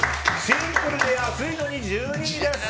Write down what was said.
シンプルで安いのに１２位です！